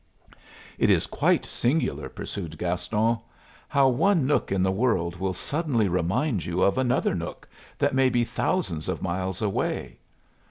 "It is quite singular," pursued Gaston, "how one nook in the world will suddenly remind you of another nook that may be thousands of miles away.